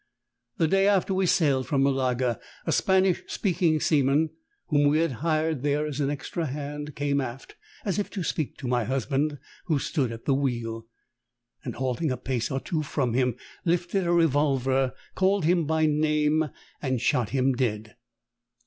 The day after we sailed from Malaga, a Spanish speaking seaman, whom we had hired there as extra hand, came aft as if to speak to my husband (who stood at the wheel), and, halting a pace or two from him, lifted a revolver, called him by name, and shot him dead.